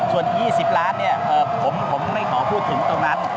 ส่วน๒๐ล้านผมไม่ขอพูดถึงตรงนั้น